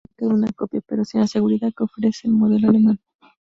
China ha fabricado una copia, pero sin la seguridad que ofrece el modelo alemán.